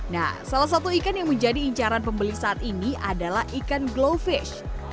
nah salah satu ikan yang menjadi incaran pembeli saat ini adalah ikan glowfish